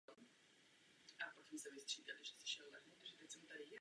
Druh má také dosti široké použití v místní medicíně.